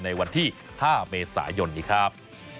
ในวันที่๕เมษายนนี้ครับ